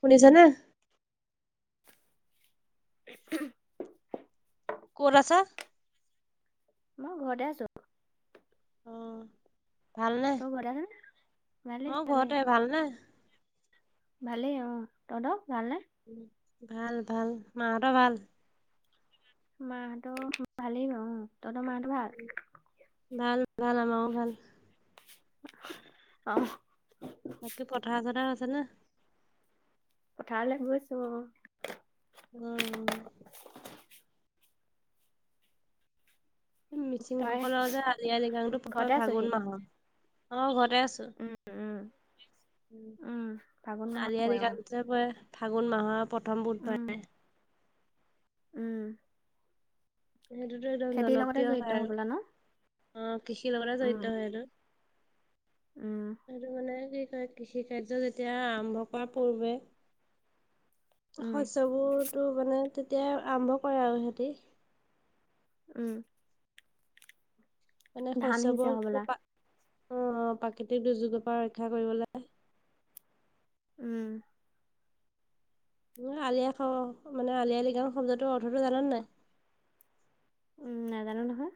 শুনিছানা [inaudible] ক'ত আছা মই ঘৰতে আছো অ', ভালনে তই ঘৰতে আছ নে ভালেই মই ভালেই ঘৰতে ভালনে ভালেই অ তহঁতৰ ভালনে ভাল ভাল মাহঁতৰ ভাল মাহঁতৰ ভালেই বাৰু উম তহঁতৰ মাহঁতৰ ভাল ভাল ভাল আমাৰো ভাল অ বাকী পথাৰ চথাৰ আছে ন পথাৰলৈ গৈছো অ উম তই মিচিংসকলৰ যে আলি আই আলিয়া লৃগাং ঘৰতে আছহি ফাগুন মাহৰ অ ঘৰতে আছো উম উম উম ফাগুন মাহত আলি আই পৰে অ লৃগাং তাপা ফাগুণ মাহৰ প্ৰথম বুধবাৰে উম উম সেইটোতো একদম খেতিৰ লগতে জনপ্ৰিয় জড়িত হয় হ'বলা ন আৰু অ কৃষি লগতে উম জড়িত হৈ সেইটো উম আৰু মানে কি কয় কৃষি কাৰ্য যেতিয়া আৰম্ভ কৰা পূৰ্বে উম শস্যবোৰতো মানে তেতিয়া আৰম্ভ কৰে আৰু সিহঁতি উম মানে ধান সিঁচে শস্যবোৰক হ'বলা [unintelligible] অ প্ৰাকৃতিক দুৰ্যোগৰ পৰা ৰক্ষা কৰিবলৈ উম [unintelligible] মানে আলি আই লৃগাং শব্দটোৰ অৰ্থটো জাননে নাই উম নাজানো নহয়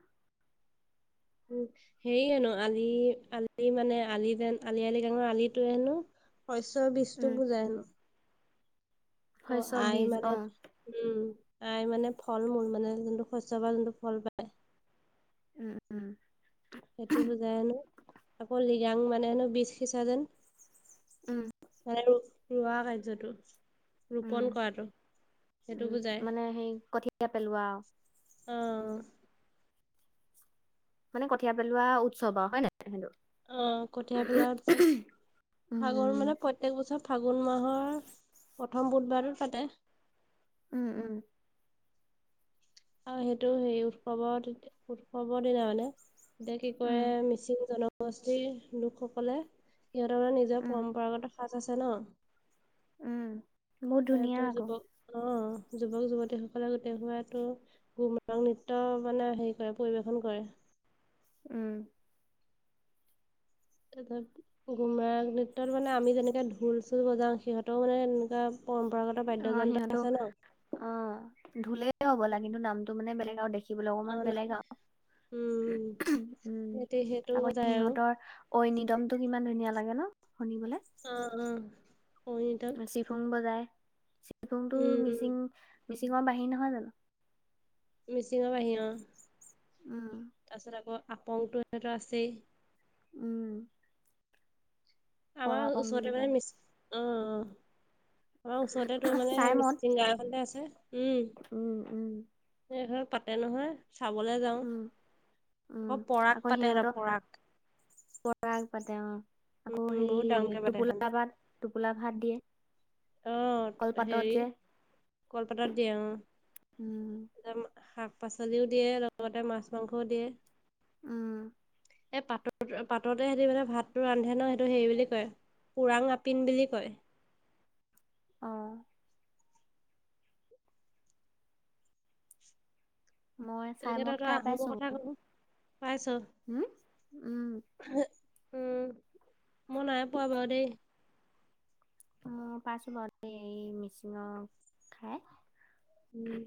উ হেৰি হেনো আলি আলি মানে আলি যেন আলি আই লৃগাঙৰ আলিটো হেনো শস্যৰ বীজটো উম বুজাই হেনো ক শস্য আই বীজ মানে অ উম আই মানে ফল মূল মানে যোনটো শস্যৰ পৰা যোনটো ফল পায় উমঁ উমঁ! সেইটো বুজাই হেনো আকৌ লৃগাং মানে হেনো বীজ সিঁচা যেন উমঁ! মানে ৰোগ ৰোৱা কাৰ্যটো ৰোপন উমঁ কৰাটো সেইটো উমঁ বুজায়। মানে সেই কঠিয়া পেলোৱা আও। অঁহ! মানে কঠিয়া পেলোৱা উৎসৱ আৰু হয় নাই সেইটো। অঁ কঠীয়া পেলোৱা উৎসৱ আগৰ মানে উম, প প্ৰত্যেক বছৰ ফাগুন মাহৰ প্ৰথম বুধবাৰটোত পাতে। উমঁ উমঁ! আৰু সেইটো সেই উৎসৱৰ উৎসৱৰ দিনা মানে এতিয়া কি উম, কয়‌ মি- মিচিং জনগোষ্ঠীৰ লোকসকলে সিহঁতৰ নিজৰ উম, পৰম্পৰাগত সাজ আছে ন। উমঁ! হেতো যুৱক আহ যুৱক যুৱতীসকলে গোটেই হোৱাতো। গুমৰাগ নৃত্য মানে হেৰি কৰে পৰিৱেশন কৰে। উমঁ! কি কৰিম। গুমৰাগ নৃত্যত মানে আমি যেনেকে ঢোল চোল বজাওঁ সিহঁতেও মানে এনেকুৱা পৰম্পৰাগত অঁ বাদ্যযন্ত্ৰ সিহঁতো আছে ন অঁ ঢোলেই হ'বলা কিন্তু নামটো মানে বেলেগ আৰু দেখি দেখিবলৈ অকমান অ', নাম বেলেগ আও উম। উমঁ সিহঁতি সেইটো আকৌ যায় আৰু। সিহঁতৰ ঐনিতমটো কিমান ধুনীয়া লাগে ন শুনিবলে। অঁম অঁম ঐনিতম চিফুং বজাই চিফুং টো উম, মিচিং উম মিচিংঙৰ বাহী নহয় জানো? মিচিংঙৰ বাহি অহ! উমঁ। তাৰপিছত আকৌ আপংতটো এটা আছেই। উমঁ। আমাৰ বুলি ওচৰতে মানে কয়। মিছিং অঁ অঁ। আমাৰ ওচৰতে তো মানে চাই মদ মিচিং গাওঁ খনতে আছে উমঁ। উম, উম, এই হয় পাতে নহয় চাবলৈ উম, যাওঁ পৰাগ পাতে সিহঁতে পৰাগ। পৰাগ পাতে অঁ আকৌ উম, সেই বহুত ডাঙৰকে পাতে সেইখন। টোপোলা ভাত টোপোলা ভাত দিয়ে। আহ কলপাতত হেৰি যে কলপাতাত দিয়ে উম অঁ শাক পাচলিও দিয়ে লগতে মাছ মাংসও দিয়ে। উমঁ! এই পাতৰ পাততে সিহঁতে মানে ভাতটো ৰান্ধে ন সেইটো হেৰি বুলি কয়। ওৰাং আপিন বুলি কয়। অঁ! মই চাই তেনেকে মদ তহতৰ খাই আহোমৰ কথা কলোঁ পাইছ। হোম উমঁ। হে ওম উমঁ মই নাই পোৱ বাৰু দেই। মোৰ পাইছোঁ বৰ এই মিচিংঙৰ খাই। উমঁ!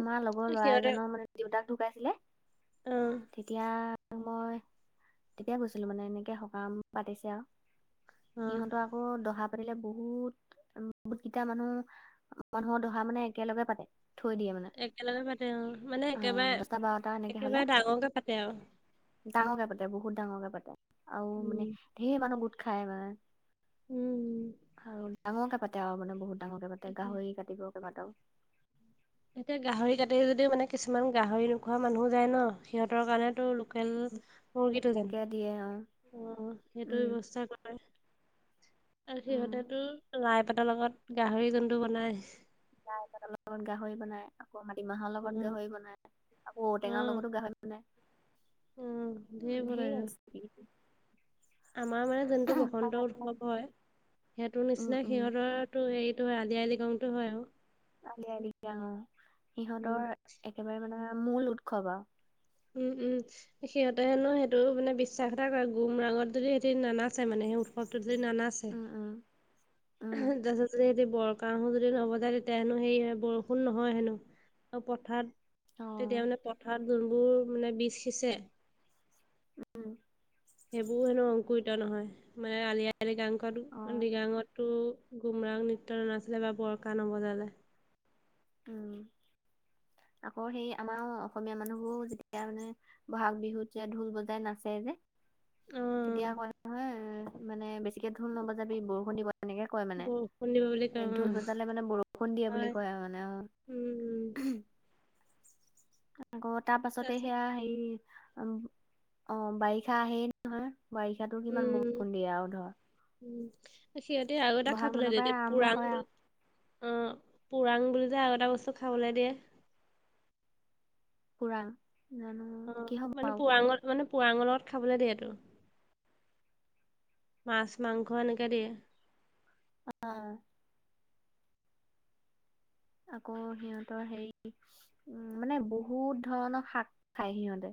আমাৰ লগৰ ল'ৰা এজনৰ মানে দেউতাক ঢুকাইছিলে। অ তেতিয়াতো মই। তেতিয়া গৈছিলো মানে এনেকে সকাম পাতিছে আও অ সিহঁতোৰ আক দহা পাতিলে বহুত, বহুত কেইটা মানুহ মানুহৰ দহা মানে একেলগে পাতে। থৈ দিয়ে মানে একেলগে পাতে অঁ, মানে অ একেবাৰে দহটা বাৰটা এনেকে হলে একেবাৰে ডাঙৰকে পাতে আৰু। ডাঙৰকে পাতে বহুত ডাঙৰকে পাতে আৰু উম মানে ধেৰ মানুহ গোট খাই মানে। উম। আৰু ডাঙৰকে পাতে আৰু মানে বহুত ডাঙৰকে পাতে তাকে গাহৰি কাটিব কেইবাটাও। এতিয়া গাহৰি কাটি যদিও মানে কিছুমান গাহৰি নোখোৱা মানুহ যায় ন সিহঁতৰ কাৰণেটো লোকেল মুৰ্গীটো যে, বেলেগকে দিয়ে অ অঁ সেইটো উম ব্যৱস্থা কৰে। আৰু উম সিহঁতেতো লাই পাতৰ লগত গাহৰি যোনটো বনাই। লাই পাতৰ লগত গাহৰি বনাই। আকৌ মাতিমাহৰ লগত উম, গাহৰি বনাই, আকৌ ঔটেঙাৰ উম, লগতো গাহৰি বনাই। উম ধেৰ ঢেৰ বনাই অঁ। ৰেচিপি আমাৰ মানে যোনটো বসন্ত উৎসৱ হয়, সেইটোৰ উম নিচিনা উম সিহঁতৰ তো হেৰিটো হয়, আলি আঃয়ে লৃগাংটো হয় আৰু। আলি আঃয়ে লৃগাং অঁ, উম, সিহঁতৰ একেবাৰে মানে মূল উৎসৱ আৰু। উম উম সিহঁতে হেনো সেইটো মানে বিশ্বাস এটা কৰে গুমৰাঙত যদি সিহঁতি নানাচে মানে সেই উৎসৱটোত যদি নানাচে উম উম উম তাৰপিছত যদি সিহঁতি বৰ কাহো যদি নবজায় তেতিয়া হেনো হেৰি বৰষুণ নহয় হেনো। আৰু পথাৰত অ তেতিয়া মানে পথাৰত যোনবোৰ মানে বীষ সিঁচে উম সেইবোৰ হেনো অংকৰিত নহয় মানে আলি আঃয়ে লৃগাং অ কোৱাটো লৃগাঙত। টো গুমৰাং নৃত্য নাছিলে বা বৰ কাহ নবজালে। উম, আকৌ সেই আমাৰো অসমীয়া মানুহবোৰ যেতিয়া মানে বহাগ বিহুত যে ঢোল বজাই নাচে যে। অ তেতিয়া কয় নহয় মানে বেছিকে ঢোল নবজাবি বৰষুণ দিব তেনেকে কয় মানে বৰষুণ দিব বুলি কয় এ অ ঢোল বজালে মানে বৰষুণ দিয়ে বুলি হয় কয় আৰু মা নে অঁ। উম উম আকৌ তাৰপাছতে তাৰপিছত সেয়া হেৰি অ' বাৰিষা আহেই নহয়। বাৰিষাটো কিমান উম বৰষুণ দিয়ে আৰু ধৰ। উম সিহঁতে আৰু এটা বহাগ মানৰ খাবলৈ পৰাই দিয়ে আৰম্ভ পুৰাং হয় বুলি আৰু অঁ পুৰাং বুলি যে আৰু এটা বস্তু খাবলৈ দিয়ে। পুৰাং জানো অঁ কি হ'ব মানে আৰু পুৰাঙৰ মানে পুৰাঙৰ লগত খাবলে দিয়েটো। মাছ মাংস এনেকে দিয়ে। অঁ। আকৌ সিহঁতৰ হেৰি উম মানে বহুত ধৰণৰ শাক খাই সিহঁতে।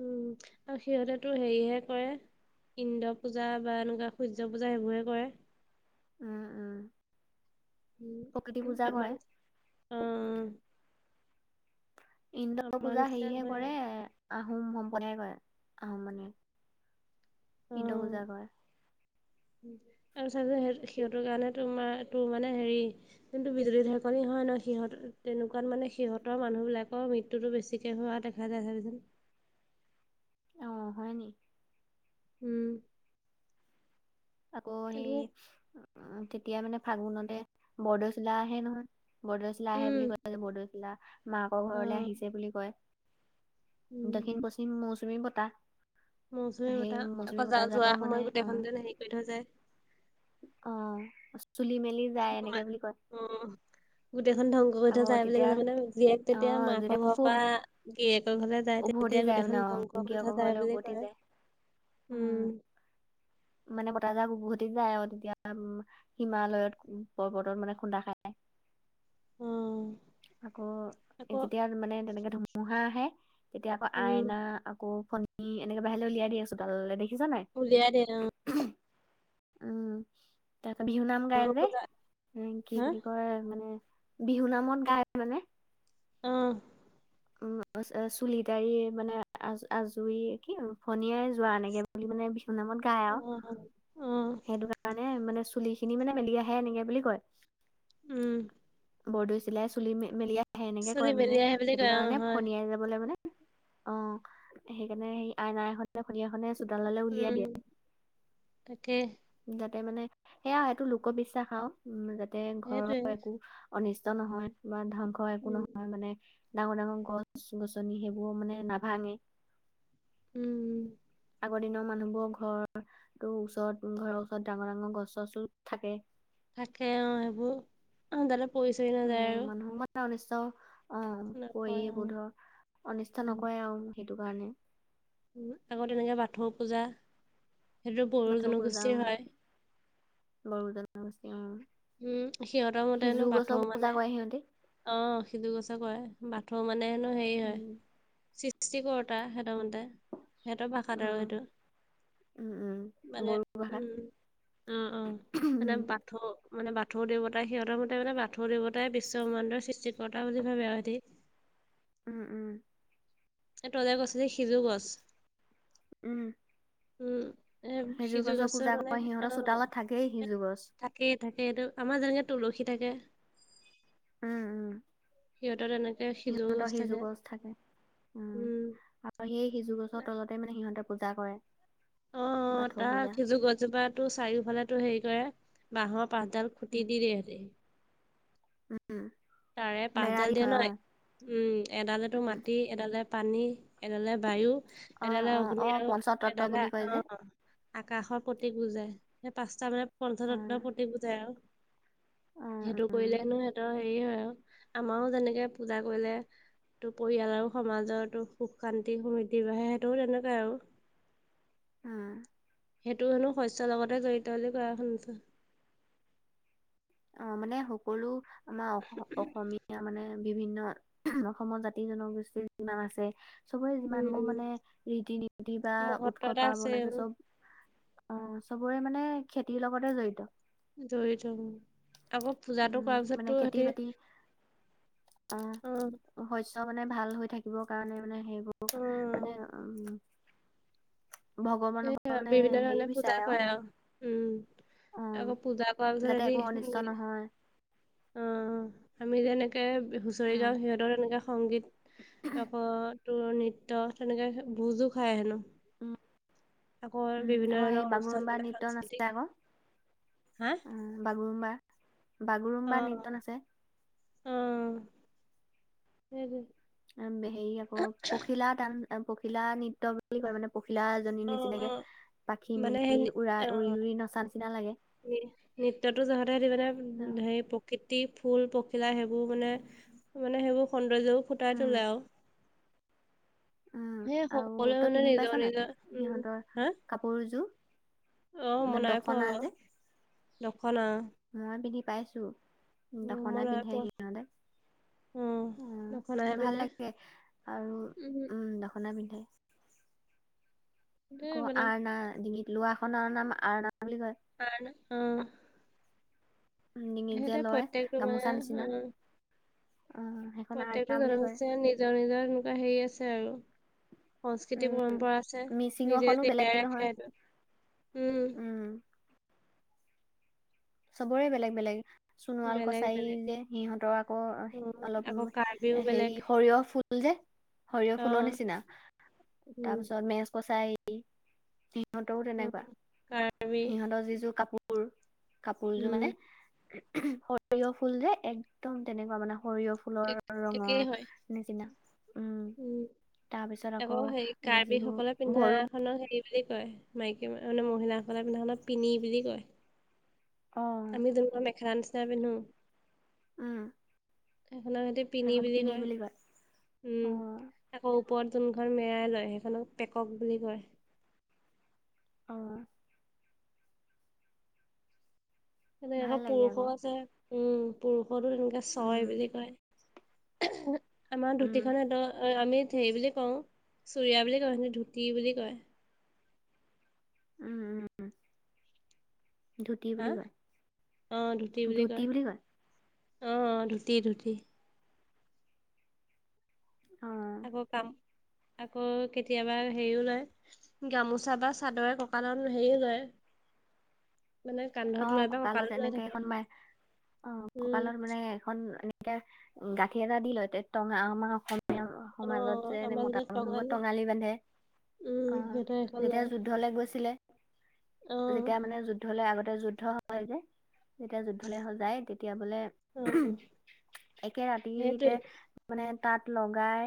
উম আৰু সিহঁতেতো হেৰিহে কৰে ইন্দ্ৰ পূজা বা এনেকুৱা সূৰ্য পূজা সেইবোৰহে কৰে। উম উম। প্ৰকৃতি পূজা কৰে। উমম। ইন্দ্ৰ আমাৰ পূজা নিচিনা হেৰিহে হয় কৰে আহোম সম্প্ৰদায়ে কৰে, আহোম মানুহে ইন্দ্ৰ অ'। পূজা কৰে। তাৰপিছত যে সিহঁতৰ কাৰণে তোৰমাৰ তোৰ মানে হেৰি জোনটো বিজুলী ঢেৰেকনি হয় নহয় সিহঁত তেনেকুৱাত মানে সিহঁতৰ মানুহবিলাকৰ মৃত্যু টোতো বেছিকে হোৱা দেখা যায়, চাবি চোন। নহয় নি? উম। আকৌ সেই, সেইটো উ-তেতিয়া মানে ফাগুনতে বৰদৈচিলা আহে নহয়। বৰদৈচিলা আহে উম, বুলি কয় যে, বৰদেচিলা, মাকৰ ঘৰলৈ অ', আহিছে বুলি কয়। উম, দক্ষিণ-পশ্চিম মৌচুমী বতাহ। মৌচুমী সেই বতাহ, মৌচুমী আকৌ বতাহজাকক যা-যোৱাৰ মানে সময়ত অ গোটেইখন যেন হেৰি কৰি থৈ যায়। অ', চুলি মেলি যায়, এনেকে বুলি কয়। উম, গোটেইখন ধ্বংস কৰি থৈ আকৌ যাই বুলি তেতিয়া কৈছে মানে জীয়েক অ তেতিয়া যেতিয়া মাকৰ ঘৰৰ খুব পৰা গিৰীয়েকৰ ঘৰলৈ যায়, উভতি তেতিয়া যায় মানে গোটেইখন অ ধ্বংস কৰি গিৰিয়েকৰ থৈ যায় ঘৰলে বুলি উভতি কয়, যায় অ উম। মানে বতাহজাক উভতি যায় আৰু তেতিয়া হিমালয়ত-পৰ্বতত মানে খুন্দা খাই। উম। আকৌ যেতিয়া মানে তেনেকে ধুমুহা আহে, তেতিয়া আকৌ উম আইনা আকৌ ফন নি, এনেকে বাহিৰলৈ উলিয়াই দিয়ে চোতাললৈ, দেখিছা নে নাই? উলিয়াই দিয়ে অ'। উম। তাৰাপৰা বিহু নাম অ গায় যে, পূজা এ কি হা বুলি কয়, মানে বিহু নামত গায় মানে অ' উম, চুলি তাৰি, মানে আজুৰি-কি ফনিয়াই যোৱা, এনেকে বুলি মানে বিহু নামত গাই অ আৰু, অ সেইটো কাৰণে মানে চুলিখিনি মানে মেলি আহে, এনেকে বুলি কয়। উম। বৰদৈচিলাই চুলি মেল-মেলি আহে, এনেকে চুলি কয় মানে, মেলি আহে বুলি সেইটো কয় অ কাৰণে হয় ফনিয়াই যাব বলে মানে, অ', সেইকাৰণে সেই আইন এখনে, ফণীএখনে উম, তাকে। যাতে মানে, সেয়া আৰু এইটো লোকবিশ্বাস আৰু, উম, যাতে ঘৰৰ সেইটোৱে একো অনিষ্ট নহয়, বা ধ্বংস একো উম নহয় মানে, ডাঙৰ-ডাঙৰ গছ-গছনি সেইবোৰ মানে নাভাঙে উম। আগৰ দিনৰ মানুহবোৰৰ ঘৰৰ ওচৰত-ঘৰৰ ওচৰত ডাঙৰ-ডাঙৰ গছ-চছো থাকে থাকে অ' সেইবোৰ, অ', যাতে পৰি-চৰি নাযায় আৰু। মোৰ মানে, অনিষ্ট অ', পৰি, নপৰে অ এইবোৰ ধৰ অনিষ্ট উম নকৰে আৰু। সেইটো কাৰণে। আকৌ তেনেকে বাথৌ পূজা, সেইটোতো বড়ো বাথৌ পূজা অ জনগোষ্ঠীৰ হয়। বড়ো জনগোষ্ঠীৰ, অ'। উম, সিহঁতৰ মতে সিজু হেনো গছক বাথৌ পূজা মানে কৰে সিহঁতি অ', সিজু গছক কয়, বাথৌ মানে হেনো হেৰি হয়, উম চি সৃষ্টিকৰোঁতা সিহঁতৰ মতে, সিহঁতৰ ভাষাত আৰু উম সেইটো, উম উম মানে বড়ো ভাষাত উম, উম উম, মানে উম বাথৌ মানে বাথৌ দেৱতা সিহঁতৰ মতে মানে বাথ বাথৌ দেৱতাই বিশ্বব্ৰহ্মাণ্ডৰ সৃষ্টিকৰ্তা বুলি ভাবে আৰু সিহঁতি। উম উম। এই তই যে কৈছিলি সিজু গছ উম। উম, এ সিজু গছৰ গছে পূজা মানে কৰে সিহঁতৰ চোতালত থাকেই [unintelligible] সিজু গছ থাকেই থাকেই সেইটো, আমাৰ যেনেকৈ তুলসী থাকে। উম উম। সিহঁতৰ তেনেকে সিজু গছ সিহঁতৰ সিজু থাকে গজ থাকে উম আৰু সেই সিজু গছৰ অ', তলতে মানে সিহঁতে পূজা কৰে অ অ বাথৌ তাৰ পূজা সিজু গছজোপা তোৰ চাৰিওফালে তোৰ হেৰি কৰে বাঁহৰ পাচডাল উম খুটি দি দিয়ে এহেতি উম তাৰে বেৰা পাচডাল দি দিয়ে থয় নহ অ উম এডালেতো উম মাটী এডালে পানী এডালে বায়ু অ এডালে অ অগ্নি অ আৰু পঞ্চতত্ব এডালে বুলি কয় অ যে আকাশৰ প্ৰতীক বুজায় সেই পাঁচটা মানে উম পঞ্চতত্ন প্ৰতীক বুজায় আৰু সেইটো উম কৰিলে হেনো সিহতৰ হেৰি হয় আৰু আমাৰো যেনেকে পূজা কৰিলে টো পৰিয়াল আৰু সমাজো সুখ শান্তি সমৃদ্ধিৰ বাঢ়ে সেইটোও তেনেকুৱাই আৰু উম সেইটো হেনো শস্যৰ লগতে জড়িত বুলি কোৱা শুনিছো অ মানে সকলো আমাৰ অ অসমীয়া মানে বিভিন্ন অসমৰ জাতি জনগোষ্ঠীৰ যিমান আছে চবৰে যিমানবোৰ উম মানে ৰীতি নীতি বা মহত্ব উৎসৱ এটা পাৰ্বন আছে এইবোৰ চব অ চবৰে মানে খেতিৰ লগতে জড়িত জৰিত অ তাকো পূজাটো উম কৰা মানে পিছতটো খেতি হেতি বাতি আহ অ শস্য মানে ভাল হৈ থাকিবৰ কাৰণে মানে সেইবোৰ মানে অ উ এ বিভিন্ন হেৰি ধৰণে পূজা বিচাৰে কৰে আৰু উম অ আকৌ পূজা কৰাৰ পিছত যাতে একো অনিষ্ট হেতি নহয় অ আমি যেন হুঁচৰি উম গাওঁ সিহঁতৰ তেনেকে সংগীত আকৌ তোৰ নৃত্য তেনেকে ভুজো খায় হেনো উম আকৌ উম বিভিন্ন আকৌ ধৰণৰ সেই অনুষ্ঠান বাগৰুম্বা পাতে নৃত্য সাংস্কৃতিক নাচে আক হা উম বাগুৰুম্বাৰ বাগুৰুম্বাৰ নৃত্য নাছে উম সেইটোৱে হেৰি আকৌ পখিলা তা পখিলা নৃত্য বুলি কয় মানে পখিলা জনী অ অ নিচিনাকে পাখি মানে সেই মেলি নি- উৰা অ উৰি উৰি নচা নিচিনা লাগে নৃত্যটো যহতে হেতি মানে হে কৃতি ফুল পখিলা সেইবোৰ মানে মানে সেইবোৰ সৌন্দৰ্যও ফুটাই উম তোলে আও উম সেই আৰু সকলোৱে তই মানে পিন্ধি পাইছ নিজৰ নাই নিজৰ উম সিহঁতৰ হা কাপোৰযোৰ অ মই মানে নাই পোৱা দখনা বাও যে দখনা মই পিন্ধি পাইছো উ মই দখনা নাই পিন্ধেহি পোৱা উম অ দখনাহে ভাল পিন্ধে লাগে আৰু উম দখনা পিন্ধে দে আকৌ মানে আৰনা, ডিঙিত লোৱাখনৰ নাম আৰনা বুলি কয়। আৰানা উম' ডিঙিত যে লয়, প্ৰত্যেকটো মানে গামোচা অ নিচিনা, অ' সেইখন প্ৰত্যেকটো আৰনা বুলি কয় জনগোষ্ঠীৰে নিজৰ-নিজৰ তেনেকুৱা হেৰি আছে আৰু সংস্কৃতি পৰম্পৰা আছে, নিজে মিচিঙৰখনো বেলেগ জীয়াই নহয় ৰাখে এইটো, উম' চবৰে বেলেগ-বেলেগ সোণোৱাল বেলেগ কছাৰী বেলেগ যে, সিহঁতৰ আকৌ অ অলপ আকৌ কাৰ্বিও বেলেগ হেৰি সৰিয়হ ফু ফুল যে সৰিয়হ অ ফুলৰ নিচিনা উম তাৰ পিছত মেজ কছাৰী সিহঁতৰো উম তেনেকুৱা কাৰ্বি সিহঁতৰ যি যোৰ কাপোৰ কাপোৰযোৰ উম মানে সৰিয়হ ফুল যে একদম তেনেকুৱা মানে সৰিয়হ ফুল এক ফুলৰ একেই ৰঙৰ হয় নিচিনা। উম, তাৰপিছত আকৌ যিবোৰ বড়ো খনক হেৰি বুলি কয়, মাইকী মানে মহিলাসকলে পিন্ধা খনক পিনি বুলি কয়। অঁ আমি যোনখন মেখেলা নিচিনাকে পিন্ধো। উম। এখনৰ সৈতি পিনি বুলি কয়। অ উম, আকৌ ওপৰত যোনখন মেৰাই লয়, সেইখনক পেকক বুলি কয়। অ এই যে ভাল লাগে পুৰুষৰো আকৌ আছে। উম, পুৰুষৰতো তেনেকে ছয় উম বুলি কয়। আমাৰ উম ধুতিখন সিহঁতৰ, আমি হেৰি বুলি কওঁ, চুুৰিয়া বুলি কও সিহঁতি ধুতি বুলি কয়। উম উম ধুতি হা বুলি কয় অঁ, ধুতি বুলি কয়, অঁ অঁ ধুতি ধুতি। অ আকৌ কাম, আকৌ কেতিয়াবা হেৰিও লয়। গামোচা বা চাদৰে কঁকালত হেৰিও লয়। মানে কান্ধ অঁ, কঁকালত এনেকে এখন মাৰে, অঁ, উম কঁকালত মানে এখন এনেকে গাঁঠি এটা দি লয়, টঙা আমাৰ অসমীয়া অ সমাজত যে এনে আমাৰ মতা যেতিয়া মানুহবোৰে টঙালি তঙালি বান্ধে। উম অঁ, সিহঁতৰ সেইখন যেতিয়া লয় যুদ্ধলে গৈছিলে। অ যেতিয়া মানে যুদ্ধলে আগতে যুদ্ধ হয় যে, যেতিয়া যুদ্ধলে হলে যায় তেতিয়া বোলে অ একে ৰাতিতে সেইটোৱে মানে তাঁত লগাই।